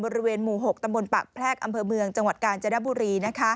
บริเวณหมู่๖ตำบลปากแพรกอำเภอเมืองจังหวัดกาญจนบุรี